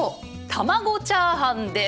卵チャーハンです！